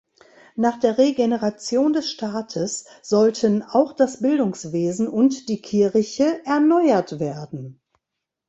Nach der Regeneration des Staates sollten auch das Bildungswesen und die Kirche erneuert werden.